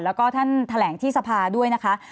แล้วก็ท่านแถลงที่สภาด้วยนะคะ